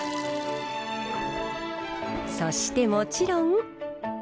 そしてもちろん。